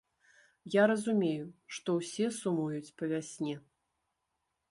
Я разумею, што ўсе сумуюць па вясне.